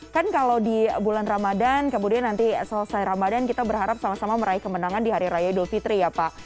kan kalau di bulan ramadan kemudian nanti selesai ramadan kita berharap sama sama meraih kemenangan di hari raya idul fitri ya pak